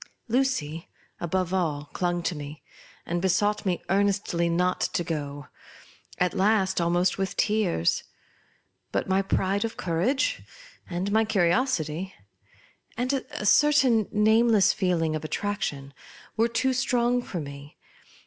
Lu cy, above all, clung to me, and besought fne earnestly not to go — at last, almost with tears. But my pride of courage, and my curiosity, and a certain nameless feeling of attraction, were too strong for me.